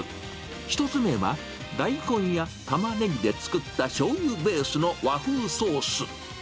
１つ目は大根やたまねぎで作ったしょうゆベースの和風ソース。